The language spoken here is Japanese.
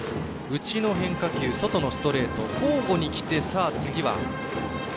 内の変化球外のストレート交互にきて、次は。